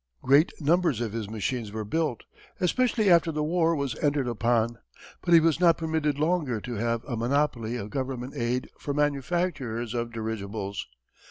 Great numbers of his machines were built, especially after the war was entered upon. But he was not permitted longer to have a monopoly of government aid for manufacturers of dirigibles.